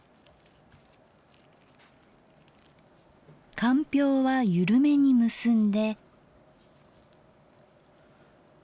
かんぴょうは緩めに結んで。